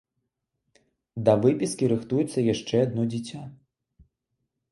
Да выпіскі рыхтуецца яшчэ адно дзіця.